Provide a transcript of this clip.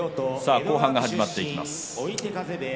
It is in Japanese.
後半が始まっていきます。